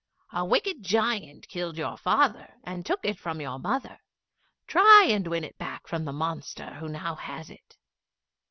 A wicked giant killed your father, and took it from your mother; try and win it back from the monster who now has it."